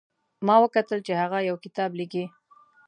ما وکتل چې هغه یو کتاب لیکي